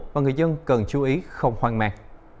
và người dân cần chú ý không hoang mạc